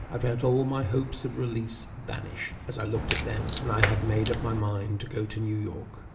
I felt all my hopes of release vanish as I looked at them, and had made up my mind to go to New York.